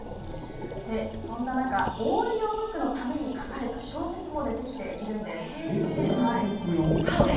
そんな中オーディオブックのために書かれた小説も出てきているんです。